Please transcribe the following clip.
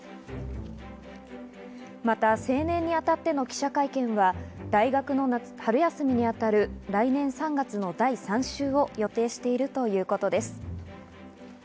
また、成年にあたっての記者会見は、大学の春休みにあたる来年３月の第３週を予定しているということです。